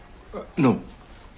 どうも。